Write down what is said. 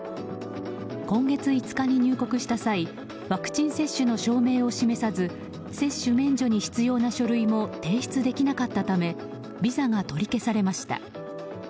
今月５日に入国した際ワクチン接種の証明を示さず接種免除に必要な書類も提出できなかったためビザが取り消されました。